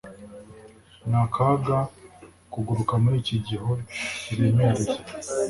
ni akaga kuguruka muri iki gihu kiremereye